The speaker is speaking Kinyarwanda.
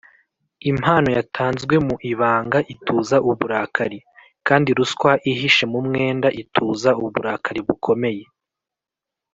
impano yatanzwe mu ibanga ituza uburakari, kandi ruswa ihishe mu mwenda ituza uburakari bukomeye